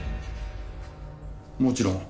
もちろん。